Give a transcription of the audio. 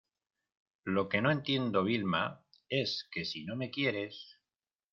lo que no entiendo, Vilma , es que si no me quieres